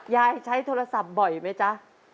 ยายใช้โทรศัพท์บ่อยไหมจ๊ะ